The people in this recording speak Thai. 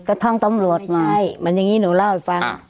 ก็ทั้งตำรวจมาไม่ใช่มันอย่างงี้หนูเล่าให้ฟังอ่า